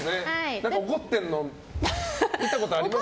何か怒ってるの見たことありますもん。